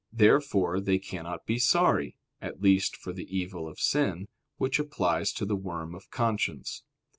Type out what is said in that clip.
Therefore they cannot be sorry, at least for the evil of sin; which applies to the worm of conscience.